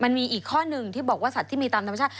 มันมีอีกข้อหนึ่งที่บอกว่าสัตว์ที่มีตามธรรมชาติ